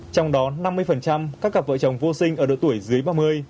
trong đó năm mươi các cặp vợ chồng vô sinh ở độ tuổi dưới ba mươi